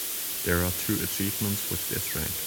There are two achievements with this rank.